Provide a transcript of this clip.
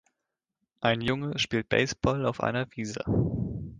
Ein Junge spielt Baseball auf einer Wiese